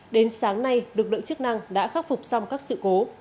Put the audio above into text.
đến sáng nay lực lượng chức năng đã khắc phục xong các sự cố